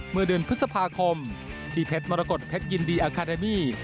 เมื่อเดือนพฤษภาคมที่เพชรมรกฏเพชรยินดีอาคาเดมี่